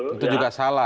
itu juga salah